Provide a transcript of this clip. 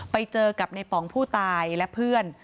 ไปเจอกับในป๋องผู้ตายและเพื่อน